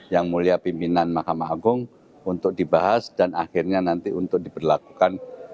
yang mulia pimpinan mahkamah agung untuk dibahas dan akhirnya nanti untuk diberlakukan